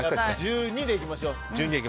１２でいきましょう。